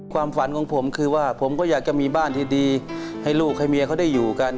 ความฝันของผมคือว่าผมก็อยากจะมีบ้านที่ดีให้ลูกให้เมียเขาได้อยู่กัน